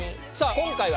今回は。